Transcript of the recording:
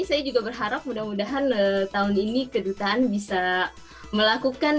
saya juga berharap mudah mudahan tahun ini kedutaan bisa melakukan